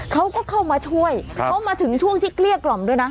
เขาก็เข้ามาช่วยเขามาถึงช่วงที่เกลี้ยกล่อมด้วยนะ